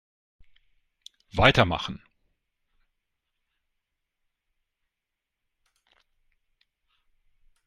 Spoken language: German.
Weitermachen!